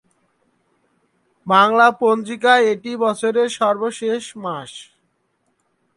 বাংলা পঞ্জিকায় এটি বছরের সর্বশেষ মাস।